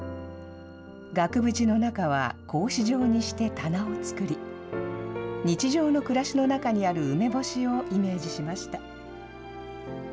額縁の中は格子状にして棚を作り、日常の暮らしの中にある梅干しをイメージしました。